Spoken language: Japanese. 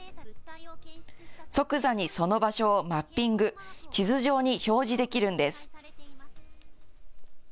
即座にその場所をマッピング・地図上に表示できるんです。